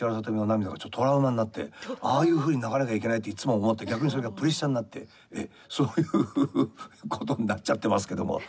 ああいうふうに泣かなきゃいけないっていつも思って逆にそれがプレッシャーになってそういうことになっちゃってますけども。